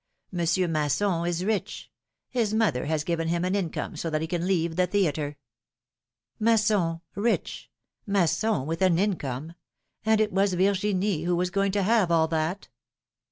Monsieur Masson is rich ; his mother has given him an income so that he can leave the theatre.'^ Masson rich ! Masson with an income ! And it was Virginia who was going to have all that